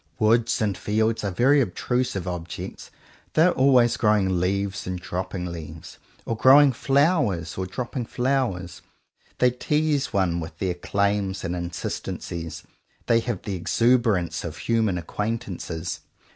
Woods and fields are very obtrusive objects. They are always growing leaves and dropping leaves, or growing flowers or dropping flowers. They tease one with their claims and insistencies. They have the exuberance of human acquaintances.